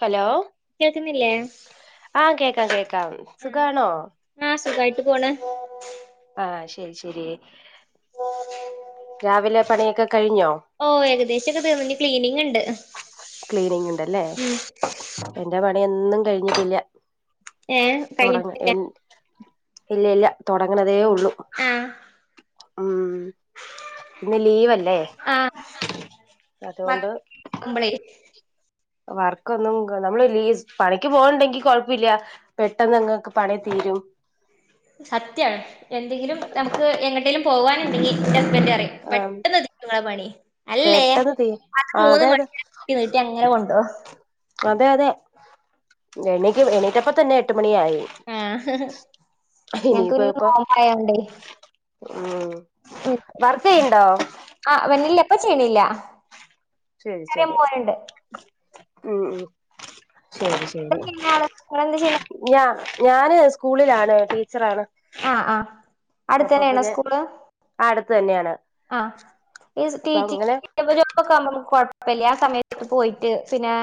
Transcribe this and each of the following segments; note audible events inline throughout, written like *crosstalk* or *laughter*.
Hello കേൾക്കുന്നില്ലേ ആഹ് കേക്കാം കേക്കാം ആഹ് സുഖാണോ? ആഹ് സുഖായിട്ട് പോണ് ആഹ് ശരി ശരി രാവിലെ പണിയൊക്കെ കഴിഞ്ഞോ ഓ ഏകദേശൊക്കെ തീർന്നു ഇനി ക്ലീനിങ് ഇണ്ട് ക്ലീനിങ് ഉണ്ടല്ലേ ഉം എന്റെ പണിയൊന്നും കഴിഞ്ഞിട്ടില്ല ഏഹ് തുടങ്ങ കഴിഞ്ഞിട്ടില്ല ഇല്ല ഇല്ല തുടങ്ങണതേ ഉള്ളൂ ആഹ് ഉം പിന്ന ലീവ്ല്ലേ *unintelligible* അമ്മളെ വർക്കൊന്നും നമ്മള് ല പണിക്ക് പോകണണ്ടെങ്കി കൊഴപ്പമില്ല പെട്ടെന്ന്ങ്ങക്ക് പണി തീരും *inaudible* സത്യാണ് എന്തെങ്കിലും നമുക്ക് എങ്ങട്ടേലിലും പോവാനുണ്ടെങ്കി റിയ ആഹ് പെട്ടെന്ന്ങ്ങളെ പണി അല്ലേ പെട്ടെന്ന് തീ അത് ആഹ് മൂന്ന് അതെ അതെ മണി നീട്ടി അങ്ങനെ കൊണ്ടോ അതെ അതെ എനിക്ക് എണീക്കപ്പ തന്നെട്ടും *unintelligible* ആയി ആഹ് ഞങ്ങക്ക് ഇനിപോ പിന്നെ എപ്പോ നോമ്പായോണ്ടേ ഉം വർക്ക് ചെയ്യണ്ടോ ആഹ് വന്നില എപ്പ ചെയ്യണില്ല ശരി ചെറിയ ശരി മോനുണ്ട് ഉം ഉം ശരി എന്താ ശരി ചെയ്യണ ആള് നിങ്ങളെന്താ ചെയ്യണെ ഞാ ഞാന് സ്കൂളിലാണ് ടീച്ചറാണ് ആഹ് ആഹ് അപ്പൊ അടുത്തന്നെയ ആണ പിന്നെ സ്കൂള് ആ അടുത്ത് തന്നെയാണ് ആഹ് *inaudible* അപ്പൊ അങ്ങനെ പെല്ല്യാ സമയത്ത് പോയിട്ട് പിന്നെ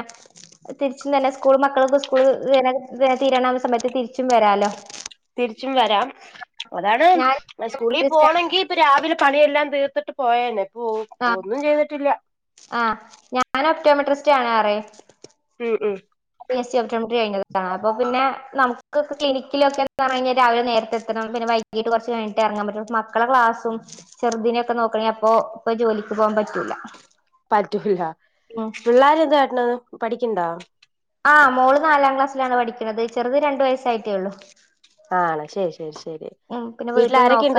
തിരിച്ചും തന്നെ സ്കൂൾ മക്കളക്ക സ്കൂൾ *unintelligible* *unintelligible* തീരണ സമയത്ത് തിരിച്ചും വരാലോ തിരിച്ചും വരാം അതാണ് ഞാൻ സ്കൂളിൽ പോണമെങ്കിൽ ഇപ്പ രാവിലെ പണിയെല്ലാം തീർത്തിട്ട് പോയന്നെ ഇപ്പൊ ഒന്നും ചെയ്തിട്ടില്ല ആഹ് ഞാൻ ഒപ്റ്റോമെട്രിസ്റ്റ് ആണ ആറയും ഉം ഉം പി എസ്റി കഴിഞ്ഞാണ് അപ്പോ പിന്നെ നമുക്ക് ക്നിക്കിലൊക്ക എിഞ്ഞാൽ രാവിലെ നേരത്തെത്തണംന്ന വൈകിട്ട് കുറച്ച്ഴിട്ട് ഇറാൻ പറ്റും മളെക്ലാസും ചെറുദിനൊക്കെ നോക്കണെങ്ക അപ്പോ ഇപ്പോ ജോലിക്ക് പോകുമ്പോ ഇല്ല പറ്റൂല പിള്ളോര എന്ത കട്ടണന്ന് പഠിക്കണ്ടോ ആഹ് മോള് നാലാം ക്ലാസ്സിലാണ് പഠിക്ക്ണത് ചെർത് രണ്ട് വയസ്സായിട്ടേള്ളു. ആണോ ശരി ശരി ശരി ഉം പിന്നെ വീട്ടിൽ നോക്ക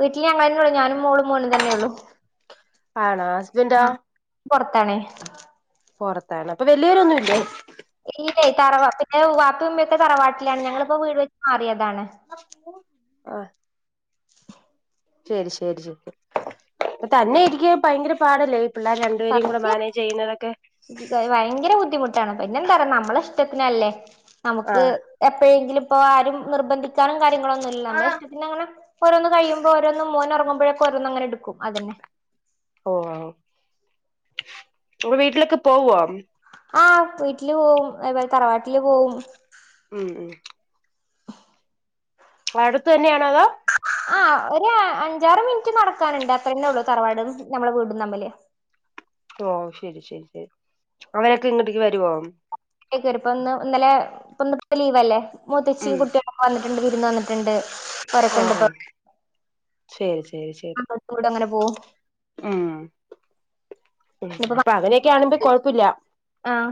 വീട്ടിൽ ഞങ്ങളെന്നുള്ളൂ ഞാനും മോളും മോനും തന്നെള്ളു ആണോ ഹസ്ബൻഡോ ആഹ് പൊർത്താണേയ് പൊറത്താണ് അപ്പൊ വല്യരൊന്നുല്ലേ? ഇല്ലേയ് തറവാ പിന്നെ ഉ വാപ്പി ഉമ്മിയൊക്കെ തറവാട്ടിലാണ് ഞങ്ങളിപ്പോ വീട് വെച്ച് മാറിയതാണ് ആഹ് ശരി ശരി ശരി തന്നെ ഇരിക്കെ ഭയങ്കര പാടല്ലേ രണ്ടുപേരെ കൂടി മാനേജ് ചെയ്യ്ന്നതൊക്കെ വയങ്കര ബുദ്ധിമുട്ടാണ് പിന്നെ എന്താറിയൊ നമ്മളെ ഇഷ്ടത്തിനല്ലേ നമുക്ക് എപ്പഴെങ്കിലും പ്പോ ആരും നിർബന്ധിക്കാനും കാര്യങ്ങളൊന്നുല്ല നമ്മളെ ആഹ് ഇഷ്ടത്തിന് അങ്ങനെ ഓരോന്ന് കഴിയുമ്പോ ഓരോന്നും മോനൊർങ്ങുമ്പഴ ഓരോന്ന് അങ്ങനെ എടുക്കും അതന്നെ ഓഹ് വീട്ടിലൊക്കെ പോവോ? ആഹ് വീട്ടില് പോവും അതേ പോലെ തറവാട്ടില് പോവും ഉം ഉം അടുത്തന്നെയാണോ അതോ ആ ഒര് അഞ്ചാറ് മിൻറ്റ് നടക്കാന്ണ്ട് അത്രന്നേ ഉള്ളൂ തറവാടും നമ്മളെ വീടും തമ്മില് ഓഹ് ശരി ശരി ശരി അവരക്കെ ഇങ്ങട്ട്ക്ക് വരോ? ലേക്ക് വരും ഇന്ന് ഇന്നലെ ഇ ഇന്ന്പ്പൊ ലീവല്ലേ മൂത്തച്ചിം ഉം കുട്ടിയെളൊക്കെ വന്നിട്ട്ണ്ട് വിരുന്ന് വന്നിട്ട്ണ്ട് പ്പൊ ഓരെക്കെണ്ട്വ്ടെ ശെരി ശെരി ശെരി പോവും ഉം ഉം ഇന്നിപ്പോ അപ്പൊ അങ്ങനെയൊക്കാണെങ്കി കൊഴപ്പുല്ല ആഹ്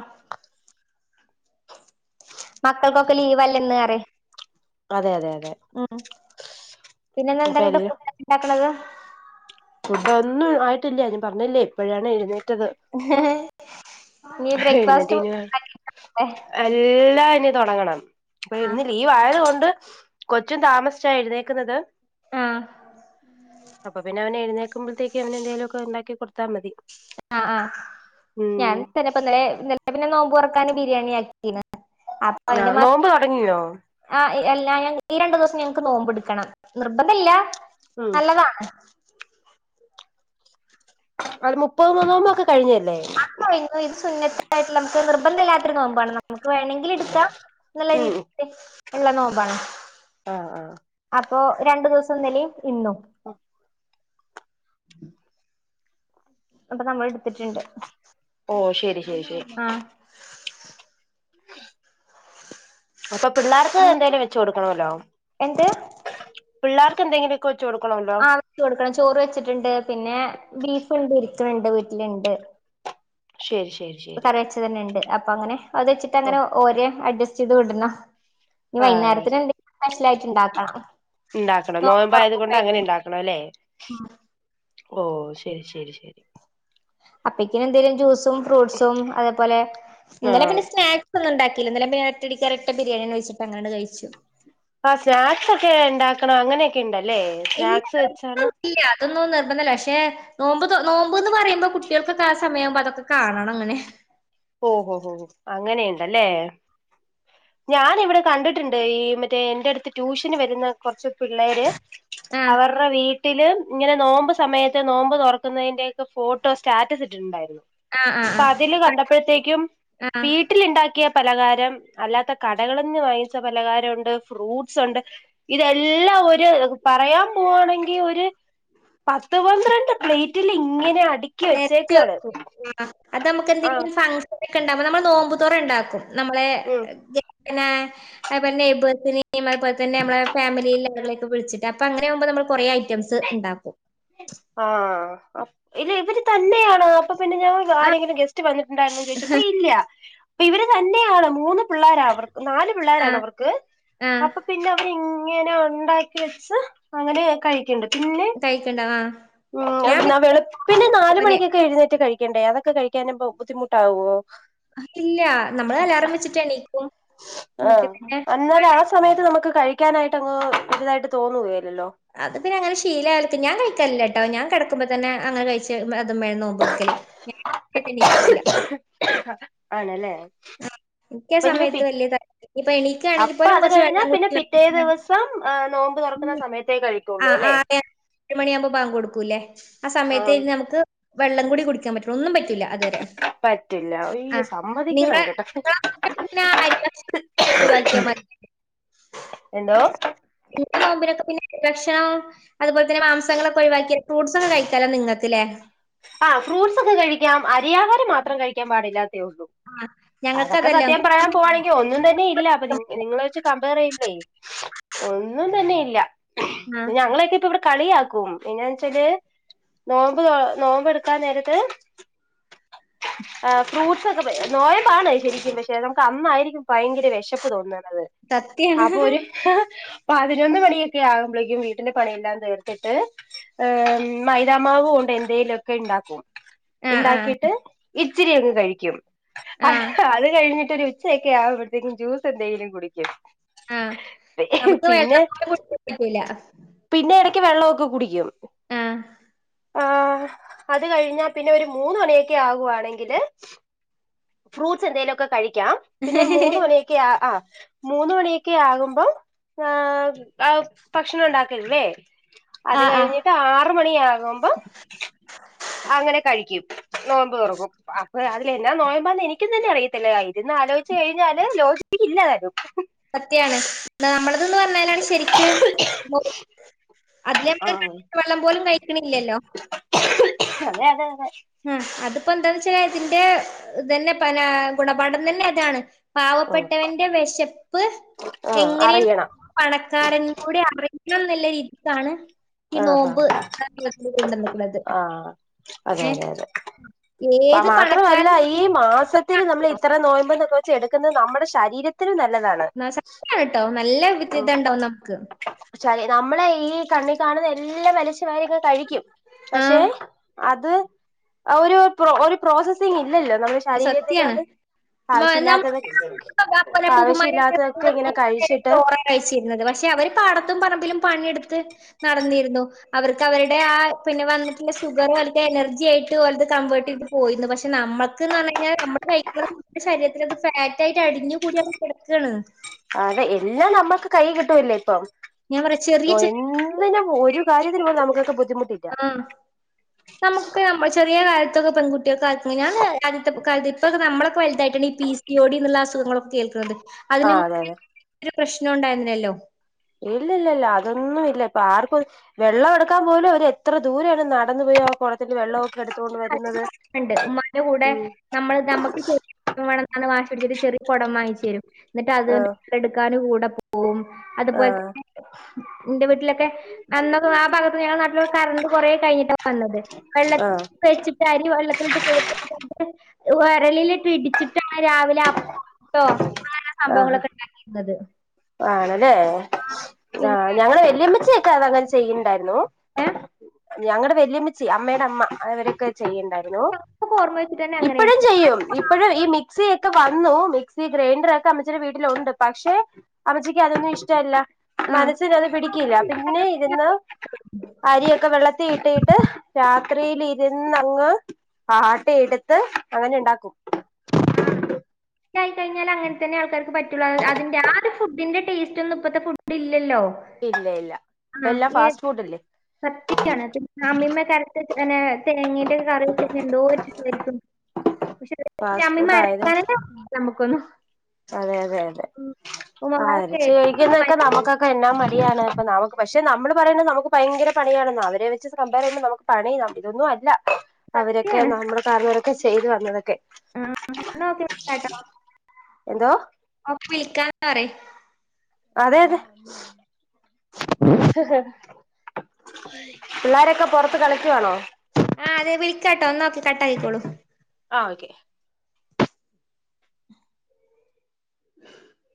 മക്കൾക്കൊക്കെ ലീവല്ലന്ന്റയാ ഹ് അതെ അതെ അതെ ഉം *unintelligible* അപ്പൊ ഫുഡോക്കെ ണ്ടാക്ക്ണത്? ഫുഡൊന്നും ആയിട്ടില്ല ഞാൻ പറഞ്ഞില്ലേ ഇപ്പോഴാണ് എഴുന്നേ ഞ് എഴുന്നേറ്റ് ബ്രേക്ഫാസ്റ്റ് ഇനി ഉണ്ടാക്കീട്ട് വാണ്ടേ എല്ലാം ഇനി തൊടങ്ങണം ഇപ്പന്ന് ലീവായത് കൊണ്ട് കൊച്ച് താമസിച്ചാ എഴുന്നേക്കുന്നത് ആഹ് അപ്പൊ പിന്നെ അവനെഴുന്നേക്ക ക്കുമ്പഴേതേക്കും അങ്ങനെന്തേലൊക്കെ ണ്ടാക്കി കൊട്ത്താ മതി. ആഹ് ആഹ് ഉം ഞാനും തന്നെപ്പന്നലെ ഇന്നലെ പിന്നെ നോമ്പുറക്കാന് ബിരിയാണി ആക്കിന്ന് അപ്പ ആ അയ്ന്റെ മ നോമ്പ് തുടങ്ങിയോ ആഹ് ഏയ്‌ എല്ലാ ഞങ്ങക്ക് ഈ രണ്ട് ദിവസം ഞങ്ങക്ക് നോമ്പ് ട്ക്കണം നിർബന്ധല്ല ഉം നല്ലതാണ്. അത് മുപ്പത് മൊ മോക്ക് അത് കഴിഞ്ഞു ഇത് പ്പ പ്പ *unintelligible* സുന്നത്തായിട്ട്ള്ള നമുക്ക് നിർബന്ധല്ലാത്തൊരു നോമ്പാണ് നമു വേണെങ്കിൽ ഇടുക്കാ ന്നുള്ള ഉം രീതിൽ ഇള്ള നോമ്പാണ് ആഹ് ആഹ് അപ്പൊ രണ്ടു ദിവസം ഇന്നലിം ഇന്നും ആഹ് *inaudible* അപ്പ നമ്മൾ ട്ത്തിട്ട്ണ്ട് ഓഹ് ശരി ശരി ശരി *inaudible* അപ്പ പിള്ളാർക്ക് എന്തേലും വെച്ച് കൊടുക്കണോലോ. എന്ത് പിള്ളേർക്ക് എന്തെങ്കിലൊക്കെ ആഹ് വെച്ച് കൊടുക്കണം ചോറ് വെച്ചിട്ട്ണ്ട്. പിന്നെ ബീഫ്ണ്ട് ഇരിക്ക്ണ് ണ്ട് വീട്ടില്ണ്ട്. ശെരി ശെരി കറി വച്ചതന്നെണ്ട് അപ്പൊങ്ങനെ അത് വെച്ചിട്ട് ഓ അങ്ങനെ ഓരെ അഡ്ജസ്റ്റിത് വിടണം ഇനി ആഹ് വൈന്നേരത്തിന് എന്തെങ്കിലും സ്പെഷ്യലായിട്ട് ഇണ്ടാക്കണം ഇണ്ടാക്കണം നോമ്പ് ആയത് കൊണ്ട് അങ്ങനെ ണ്ടാക്കണം ലെ? ഓ ശെരി ശെരി ശെരി അപ്പക്കിന് എന്തേലും ജ്യൂസും ഫ്രൂട്ട്സും അതേപോലെ ഇന്നലെ ആഹ് പിന്നെ സ്നാക്സ് ഒന്നുണ്ടാക്ക *unintelligible* ഒറ്റടിക്ക്‌ഒരറ്റ ബിരിയാണിവയ്ച്ചപ്പ അനങ്ങട് കഴിച്ചു ആഹ് സ്നാക്സ് ഒക്കെഇണ്ടാക്കണം അങ്ങനെക്കെ ഇല്ല ഒന്നും ഇല്ല അതൊന്നും നിർബന്ധല്ല പക്ഷേ കേനോമ്പ് തുനോമ്പ്ന്ന് പറയുമ്പോ നോമ്പ് നോമ്പന്ന് പറയുമ്പോ കുട്ടികൾക്കൊക്കെ ആഹ് സമയ ആവുമ്പോ അതൊക്കെ കാണണംങ്ങനെ ഓഹോ ഹോ അങ്ങനെണ്ടല്ലേ ഞൻ ഇവടെ കണ്ടിട്ടുണ്ട് ഈ മറ്റേ എന്റെട്ത്ത് അടുത്ത് ട്യൂഷന് വരുന്നകൊറച്ച് പിള്ളേര് ആഹ് അവരുടെവീട്ട വീട്ടില് ഇങ്ങനെ നോമ്പ് സമയത്ത് നോമ്പ് തൊറക്കുന്നതിന്റെ ഒക്കെ ഫോട്ടോ സ്റ്റാറ്റസ് ഇട്ടിട്ടുണ്ടായിരുന്നു ആഹ് ആഹ് ആഹ് പ്പഅതില് പ കണ്ടപ്പഴത്തേക്കും ആഹ് വീട്ടില്ണ്ടാക്കി *unintelligible* കിയപലകാരം അല്ലാത്ത കടകളിന്ന് വാങ്ങിച്ച പലകാരംണ്ട് ഫ്രൂട്ട്സ്ണ്ട് ഇതെല്ലാം ല്ല ഒര് പറയാൻ പോവാണെങ്കി ഒര് പത്ത് പന്ത്രണ്ട് പ്ലേറ്റില് ഇങ്ങനെ അ നെര്ത്തി വെക്കും ആഹ് അത് നമക്ക് ആ എന്തെങ്കിലും ഫ ഇക്കഇണ്ടാവുമ്പോ നമ്മള് നോമ്പതോറ ഇണ്ടാക്കും നമ്മളേ ഉം പിന്നേ അത്പോലെ നൈബ്ർസിന് യിംഅത്പോലെ തന്നെനമ്മളേ ഫാമിലിയില ആള്കളൊക്കെ വിളിച്ചിട്ട് അപ്പ അങ്ങനെ ആവുമ്പോ നമ്മള് കൊറേ ഐറ്റംസ് ഉണ്ടാക്കും ആഹ് ഇല്ല ഇവര് തന്നെയാണ് അപ്പൊ പിന്നെ ഞാൻ ആഹ് ആരെങ്കിലും ഗെസ്റ്റ് വന്നിട്ടുണ്ടായിരുന്നോ ചോദിച്ചപ്പ ഇല്ല്യാ ഇപ്പ ഇവര് തന്നെയാണ് മൂന്ന് പിള്ളോരാ അവർക്ക് നാല് പിള്ളാരാണ് ആഹ് അവർക്ക് ആഹ് അപ്പൊ പിന്നെ അവർ ഏ ങ്ങനെ ഉണ്ടാക്കി വെച്ച് അങ്ങനെ കഴിക്കണ്ടത് കഴിക്കണ്ട ആഹ് ഉം ഞാൻ പിന്നെ വേളുപ്പിന് നാല് അങ്ങനെ മണിക്കൊക്കെ എഴുന്നേറ്റ് കഴി ക്കണ്ടേ അതൊക്കെ കഴിക്കാനാ ബുദ്ധിമുട്ടാവുമോ ഇല്ല നമ്മള് അലാറം വെച്ചട്ട് ഏണിക്കും ആഹ് എന്നാല് ആ സമയത്ത് നമുക്ക് കഴിക്കാനായിട്ട് അങ്ങ് ഇതായിട്ട് തോന്നുല്ലേ അത് പിന്നെ അങ്ങനെ ശീലാൾക്ക് ഞാൻ കഴിക്കാല്ല ട്ടോ ഞാൻ കിടുമ്പോ തന്നേ അങ്ങനെ കഴിച്ച് അതും മേ നോമ്പ് എടുക്കല് *unintelligible* ആണല്ലേ മിക്ക അപ്പൊ ഇനി സമയത്ത് പി വലിയ ത ഇപ്പൊ എണിക്കാണെങ്കിൽ അപ്പൊ പോലും അത് കുറച്ച് കഴിഞ്ഞാ വെള്ളം പിന്നെ കുടിച്ച് പിറ്റേ കിടക്കു ദിവസം നോമ്പ് തുറക്കുന്ന സമയത്തേ കഴിക്കുള്ളൂ ആഹ് അല്ലെ *unintelligible* അഞ്ച് മണിയാകുമ്പോ ബാങ്ക് കൊടുക്കൂല്ലേ ആ സമയത്ത് ആഹ് നമുക്ക് വെള്ളം കൂടി കുടിക്കൻ പറ്റുല്ല ഒന്നും പ റ്റൂല്ല അതുവരെ പറ്റില്ല അയ്യോ ആഹ് സമ്മതിക്കണം കേട്ടോ *unintelligible* എന്തോ *unintelligible* അതുപലെ തന്നെ മാംസങ്ങളൊക്കെ ഒഴിവാക്കി ഫ്രൂട്ട്സ് ഒക്കെ കഴിക്കാലോ നിങ്ങക്ക്ലെ ആഹ് ഫ്രൂട്ട്സ് ഒക്കെ കഴിക്കാം അരി ആഹാരം മാത്രം കഴിക്കാൻ പാടില്ലാത്തേ ഉള്ളൂ ഞങ്ങൾക്ക് അതൊക്കെ അതല്ലോ സത്യം പറയാൻ പോവാണെങ്കിൽ ഒന്നും തന്നെ ഇല്ല അപ്പൊ നി നിങ്ങളെ വെച്ച് കമ്പയർ ചെയ്യുമ്പയേ ഒന്നും തന്നെ ഇ ല്ലാ ആ ഞങ്ങളൊക്കെ ഇപ്പ ഇവിടെ കളിയാക്കും പിന്നെ വെച്ചാല് നോമ്പ് തൊ നോമ്പ് എടുക്കാ നേരത്ത് ആഹ് ഫ്രൂട്ട്സ് ഒക്കെ ന നോയമ്പ് ആണ്‌ ശരിക്കും പക്ഷെ നമുക്ക് അന്നായിരിക്കും ഭയങ്കര വിശപ്പ് തോന്നുന്ന ത് സത്യാണ് അപ്പൊ ഒരു പതിനൊന്ന് മണിയൊക്കെ ആകുമ്പോഴേക്കും വീട്ടന്റെ പണിയെല്ലാം തീർത്തിട്ട് ഇഹ് മൈദ മാവ് കൊണ്ട് എ ന്തേലും ഒക്കെ ഉണ്ടാക്കും ആ ആ ഉണ്ടാക്കിട്ട് ഇച്ചിരി അങ്ങ് കഴിക്കും ആ അത് കഴിഞ്ഞിട്ട് ഉച്ചയൊക്കെ ആവുമ്പോഴത്തേക്കും ജ്യൂസ് എന്തെങ്കിലും കുടിക്കും ആ നമുക്ക് പിന്നെ വെള്ളം പോലും കുടിക്കാൻ പറ്റൂല പിന്നെ ഇട ക്ക് വെള്ളമൊക്കെ കുടിക്കും ഉം ആഹ് അത് കഴിഞ്ഞാ പിന്നെ ഒരു മൂന്ന് മണിയൊക്കെ ആകുവാണെങ്കില് ഫ്രൂട്ട്സ് എന്തെലു ഒക്കെ കഴിക്കാം പിന്നെ മൂന്ന് മണിയൊക്കെ ആ ആഹ് മൂന്ന് മണിയൊക്കെ ആകുമ്പം ആഹ് ആഹ് ഭക്ഷണം ഉണ്ടാക്കല്ലേ അത് ആ ആ കഴിഞ്ഞിട്ട് ആറ് മണിയാകുമ്പം അങ്ങനെ കഴിക്കും നോമ്പ് തുറക്കും അപ്പൊ അതില് എന്നാ നോയമ്പാന്ന് എനിക്കും തന്നെ അറിയത്തില്ലേ ഇരുന്നു ആലോചിച്ച് കഴിഞ്ഞാല് ലോജിക്ക് ഇല്ല താനും സത്യാണ് നമ്മളന് പറഞ്ഞാലാണ് ശരിക്ക് അതില് ആഹ് നമ്മക്ക് വെള്ളം പോലും കഴിക്കണില്ലല്ലോ അതെ അതെ അതെ ഉം അതിപ്പോ എന്താന്ന് വെച്ചാ ഇതിന്റെ ഇതന്നെ പന ഗുണപാഠം തന്നെ അതാണ് ആഹ് പാവപ്പെട്ടവന്റെ വിശപ്പ് ആഹ് എങ്ങനെയ അറിയണം പണക്കാരനോട് അറി യ്യുന്നില്ല ഇതാണ് ഈ ആഹ് ആഹ് നോമ്പ് ആഹ് അതെ ഏഹ് അതെ അതെ ഏത് മാത്രവല്ല പണക്കാരൻ ഈ മാസത്തിൽ നമ്മള് ഇത്ര നോയ്മ്പന്ന് വെ ച്ചെടുക്കുന്നത് നമ്മടെ ശരീര ന ശക്തി ആണ് ട്ടോ നല്ല വി ഇതണ്ടാവും നമുക്ക് ച്ചാലേ നമ്മളെ ഈ കണ്ണി കാണുന്ന എല്ലാം വലിച്ചു വാരിയങ്ങ് കഴിക്കും പഷേ ആഹ് അത് ഒരു പ്രൊ ഒരു പ്രോസസിങ് ഇല്ലല്ലോ നമ്മുടെ ശരീരത്തിനും അത് മ *inaudible* അപ്പന് അപ്പുപ്പമാരായ്ട്ട് ആവശ്യമില്ലാത്തതൊക്കെ ഇങ്ങനെ *inaudible* കഴിച്ചിട്ട് ചോറാകഴിച്ചിന്നത് പക്ഷേ അവര് പാട തുംപറമ്പിലും പണിയെടുത്ത് നടന്നിരുന്നു അവർക്ക് അവരുടെ ആഹ് പിന്നെ വന്നിട്ടുള്ള ശുഗറ് *unintelligible* എനർജിയ്ട്ട് ഒലത് കൺവർട്ട് പോയിന്നു പക്ഷെ നമ്മള ക്ന് പർഞ്ഞെയ്ഞാൽ നമ്മള് കഴിക്ക നമ്മുടെ ശരീരത്തിത് ഫാറ്റ് ആയിട്ട് അടിഞ്ഞു കൂടിമ്മള് കെട്ക്കാണ് ആതെ എല്ലാം നമ്മക്ക് കൈ കിട്ടുവല്ലേ ഇപ്പം ഞാൻ പറയാ ചെറിയ ഓ ചെറിയ എന്തിനും ഒരു കാര്യത്തിന്പൊ നമുക്കൊക്കെ ബുദ്ധിമുട്ടില്ല നമുക്ക് നമ്മളെ ചെറിയെ കാലത്തൊക്കെപെൺകുട്ട്യോക്ക് അങ്ങനാണ് കാലത്ത്കാല ഇപ്പൊ നമ്മളൊെക്കെ വല്തായിട്ടണ് ഈ പി സിയോഡിന്ള്ള അസുഖങ്ങളൊക്കെ കേൾക്ക്‌ണത് ആ അതിന് അതെ അതെ *inaudible* പ്രശ്നൊണ്ടായിരുന്നില്ലല്ലോ ഇല്ല ഇല്ലല്ല അതൊന്നും ഇല്ലപ്പൊ ആർക്കും വെള്ളഎട്ക്കാൻ പോലും അവര് എത്ര ദൂരേണ് നടന്ന് *unintelligible* കൊറത്തിന്റെ വെള്ളോം *unintelligible* ണ്ട് ഉമ്മാന്റെകൂടെ ഉം നമ്മള് നമ്മുക്ക് ചെയ വേണം വാച്ച് പിടിച്ചിട്ട് ചെറിയ കൊടം വാങ്ങിച്ചേരും ന്നിട്ട് അത് ആ എടുക്കാൻ കൂടെ പോവും ആ അതുപോല തന്നെ ഇന്റെ വീട്ടിലൊക്കെ അന്നൊക്കെ ആഹ് ഭാഗത്ത് ഞങ്ങളെ നാട്ടില്കറണ്ട് കൊറേ കഴിഞ്ഞിട്ടാ വന്നത് വെള്ള ആ അരി വെള്ളത്തിലിട്ട് കുതിർത്തിട്ട് ഒക്കെ വൊരലിലിട്ട് ഇടിച്ചിട്ട് രാവിലെ അപ്പോ അങ്ങനത്തെ ആഹ സംഭവങ്ങളൊക്കെ ഉണ്ടാക്കിരുന്നത് ആണല്ലേ ആഹ് ഞങ്ങളെ വെല്യയമ്മച്ചിയക്കെ അങ്ങനെ ചെയ്യുന്നുണ്ടായിരുന്നു ഏഹ് ഞങ്ങടെ വെല്ല്യമ്മച്ചി അമ്മേടഅമ്മ അവരൊക്കെ ചെയ്യ്ണ്ടാര്ന്നു ഞങ്ങക്കൊക്കെ ഓർമ്മ വെച്ചിട്ട് തന്നെ ഇപ്പഴും അങ്ങനെയാണ് ചെയ്യും ഇപ്പഴും ഈ മിക്സിക്കെ വന്നു മിക്സി ഗ്രൈൻഡർ ഒക്കെ അമ്മച്ചിടെ വീട്ടിലുണ്ട് പക്ഷെ അമ്മച്ചിക്ക് അതൊന്നും ഇഷ്ടെല്ല ആഹ് മനസ്സിന് അത് പിടിക്കില്ല പിന്നെ ഇര്ന്ന് അരി ഒക്കെ വെള്ളത്തി ഇട്ടിട്ട് രാത്രില് ഇര്ന്ന് അങ്ങ് ആട്ടി എട്ത്ത് അങ്ങനെണ്ടാക്കും ആയിക്കഴഞ്ഞല് അങ്ങൻതന്നെ ആൾക്കാർ പറ്റുള്ളുഅതിന്റെ ആഹ് ഒരു ഫുഡിന്റെ ടേസ്റ്റ് ഒന്നും ഇപ്പത്തെ ഫുഡ്ഇല്ലോ ഇല്ല ഇല്ല ഇപ്പല്ലാം ഫാസ്റ്റ് ഫുഡ്ല്ലേ കത്തിയാണ് പിന്നെ അമ്മീമ്മേക്കെ അരച്ച്ത്തന്നെ തേങ്ങേന്റെകറിവെച്ച് എന്തോ *unintelligible* പക്ഷെ ഫാസ്റ്റ് അമ്മിമ്മേ ഫുഡ് ആയത് അരക്കാനന്നേ നമ്മുക്കൊന്നും അതെ അതെ അതെ ഉമ്മമാരൊക്കെ ആരച്ച് കഴിക്കുന്നൊക്കെ നമുക്കൊക്കെ എന്നാമടിയാണ് അപ്പ നമുക്ക് പക്ഷെ നമ്മള് പറയ്ണ് നമു ഭയങ്കര പണിയാണെന്നോ. അവെരെ വെച്ച് കമ്പെറ് ചെയുമ്പോ നമ്മക്ക് പണിയിതൊന്നും അല്ല. അവരെക്കെ നമ്മടെ കാരണവരെക്കെ ചെയ്തു വന്നതെക്കെ. ഉം ഇന്നോക്കിയാ കേട്ടോ. എന്തോ വിളിക്കാന് പറയ് അതെ അതെ പിള്ളാരെക്കെ പൊറത്ത് കളിക്കുവാണോ? ആഹ് അതെ വിളിക്കാട്ടോ. ന്നൊക്കെ. കട്ടായിക്കോളൂ. ആഹ് ഓക്കെ *inaudible*